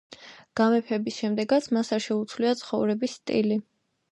გამეფების შემდეგაც მას არ შეუცვლია ცხოვრების სტილი.